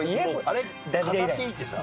あれ飾っていいってさ。